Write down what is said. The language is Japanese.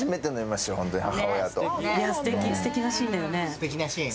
すてきなシーン。